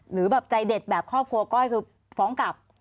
หรือแบบใจเด็ดแบบครอบครัวก้อยคือฟ้องกลับ